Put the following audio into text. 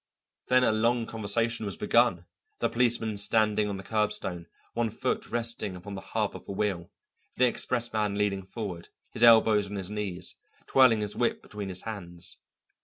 Then a long conversation was begun, the policeman standing on the curbstone, one foot resting upon the hub of a wheel, the expressman leaning forward, his elbows on his knees, twirling his whip between his hands.